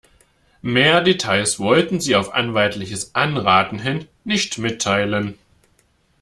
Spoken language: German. Mehr Details wollten sie auf anwaltliches Anraten hin nicht mitteilen.